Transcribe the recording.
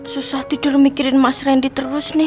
susah tidur mikirin mas randy terus nih